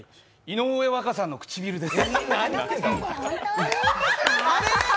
井上和香さんの唇です。